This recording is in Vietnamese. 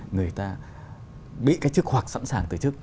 người ta bị cách chức hoặc sẵn sàng từ chức